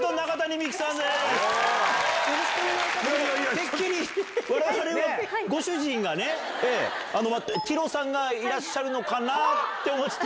てっきりわれわれは、ご主人がね、ティロさんがいらっしゃるのかなって思ってた。